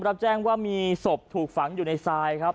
รับแจ้งว่ามีศพถูกฝังอยู่ในทรายครับ